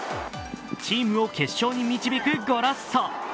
チームを決勝に導くゴラッソ。